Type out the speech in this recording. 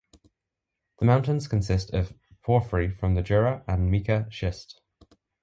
The mountains consist of porphyry from the Jura and mica schist.